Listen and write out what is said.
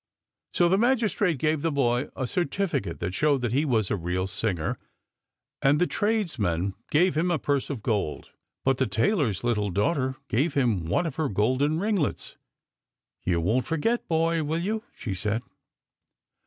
So the magistrate gave the boy a certificate that showed that he was a real singer, and the tradesmen gave him a purse of gold, but the tailor's little daughter gave him one of her golden ringlets. " You won't forget, boy, will you ?" she said.